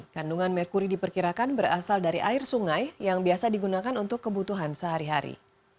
kandungan merkuri diperkirakan berasal dari air sungai yang biasa digunakan untuk kebutuhan sehari hari